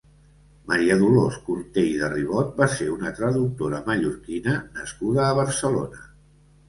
Maria Dolors Cortey de Ribot va ser una traductora mallorquina nascuda a Barcelona.